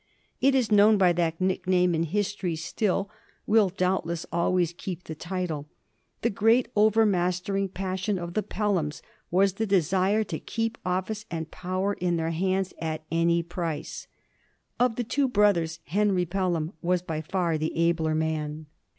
It is known by that nickname in history still ; will doubtless always keep the title. The great overmastering passion of the Pelhams was the desire to keep office and power in their hands at any price. Of the two brothers Henry Pelham was by far the abler man.